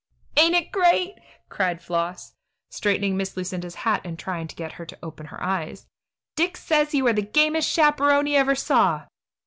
"Ain't it great?" cried Floss, straightening Miss Lucinda's hat and trying to get her to open her eyes. "Dick says you are the gamest chaperon he ever saw.